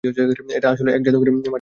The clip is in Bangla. এটা আসলেই এক জাদুকরের মাটির নিচের ঘর।